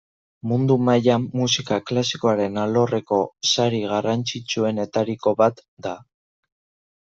Mundu mailan musika Klasikoaren alorreko sari garrantzitsuenetariko bat da.